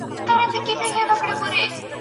چين اوس د زبرځواک په مقام کي ولاړ دی.